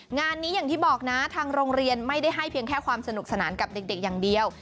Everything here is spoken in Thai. งานนี้อย่างที่บอกนะทางโรงเรียนไม่ได้ให้เพียงแค่ความสนุกสนานกับเด็กอย่างเดียว